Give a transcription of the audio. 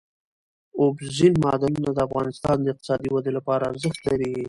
اوبزین معدنونه د افغانستان د اقتصادي ودې لپاره ارزښت لري.